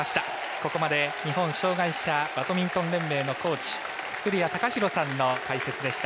ここまで日本障がい者バドミントン連盟のコーチ古屋貴啓さんの解説でした。